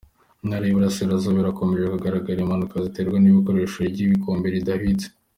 Mu Ntara y’Iburasirazuba hakomeje kugaragara impanuka ziterwa n’ikoreshwa ry’ibirombe ridahwitse.